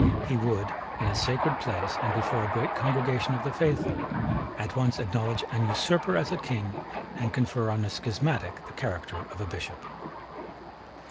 He would, in a sacred place, and before a great congregation of the faithful, at once acknowledge an usurper as a King, and confer on a schismatic the character of a Bishop.